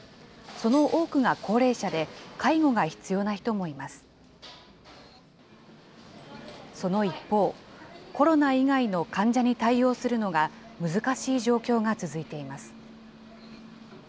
その一方、コロナ以外の患者に対応するのが難しい状況が続いています。